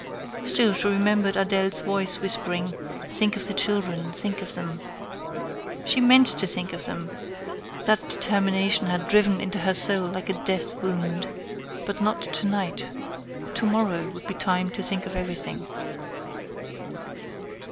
Still, she remembered Adèle's voice whispering, "Think of the children; think of them." She meant to think of them; that determination had driven into her soul like a death wound—but not to night. To morrow would be time to think of everything.